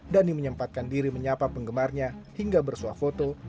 dhani menyempatkan diri menyapa penggemarnya hingga bersuah foto